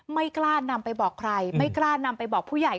ไม่กล้านำไปบอกใครไม่กล้านำไปบอกผู้ใหญ่